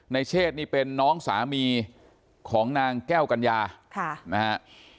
เชศนี่เป็นน้องสามีของนางแก้วกัญญาค่ะนะฮะ